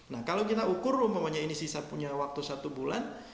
nah kalau kita ukur umpamanya ini sisa punya waktu satu bulan